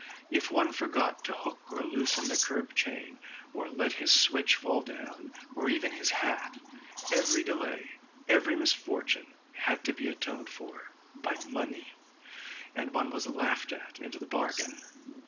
If one forgot to hook or loosen the curb chain, or let his switch fall down, or even his hat, — every delay, every misfortune, had to be atoned for by money; and one was laughed at into the bargain.